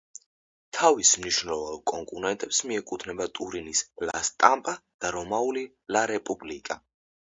თავის მნიშვნელოვან კონკურენტებს მიეკუთვნება ტურინის „ლა სტამპა“ და რომაული „ლა რეპუბლიკა“.